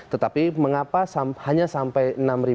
tetapi mengapa hanya sampai